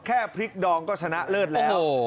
แค่พริกดองก็ชนะเลิศแล้ว